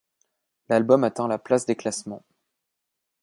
L'album atteint la place des classements.